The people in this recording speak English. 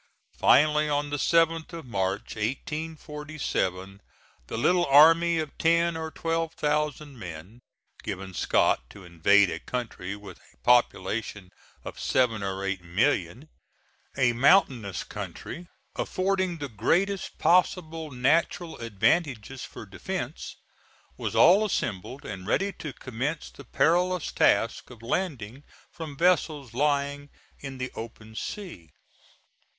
Finally on the 7th of March, 1847, the little army of ten or twelve thousand men, given Scott to invade a country with a population of seven or eight millions, a mountainous country affording the greatest possible natural advantages for defence, was all assembled and ready to commence the perilous task of landing from vessels lying in the open sea.